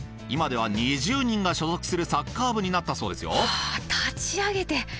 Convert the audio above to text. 今では２０人が所属するサッカー部になったそうですよ。はあ立ち上げて。